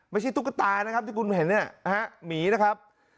ไม่ใช่ตุ๊กตานะครับที่คุณเห็นมีนะครับ